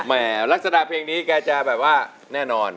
แหมลักษณะเพลงนี้แกจะแบบว่าแน่นอน